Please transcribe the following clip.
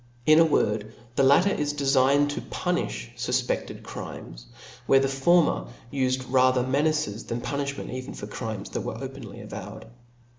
In a word, the latter is defigned to puni(h fufpefted crimes ; whereas the former ufcd rather menaces than punifliment even for crimes that were openly avowed.